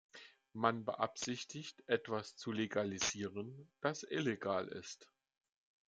Man beabsichtigt, etwas zu "legalisieren", das illegal ist.